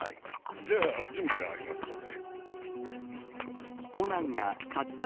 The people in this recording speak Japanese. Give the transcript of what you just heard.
じゃあ準備がありますので。